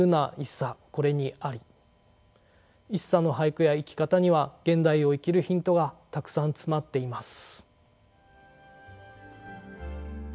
一茶の俳句や生き方には現代を生きるヒントがたくさん詰まっています。